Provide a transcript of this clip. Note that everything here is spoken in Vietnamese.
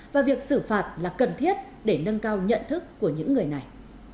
và việc xử phạt là cần thiết để nâng cao nhận thức của những người này